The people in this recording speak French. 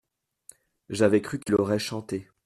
J’avais cru qu’il aurait chanté.